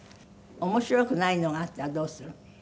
面白くないのがあったらどうする？